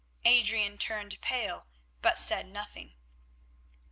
Adrian turned pale but said nothing.